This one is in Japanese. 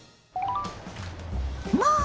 まあ！